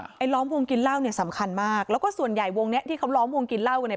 ไอ้ล้อมวงกินเหล้าเนี่ยสำคัญมากแล้วก็ส่วนใหญ่วงเนี้ยที่เขาล้อมวงกินเหล้ากันเนี่ย